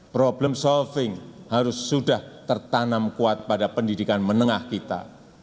problem solving harus sudah tertanam kuat pada pendidikan menengah kita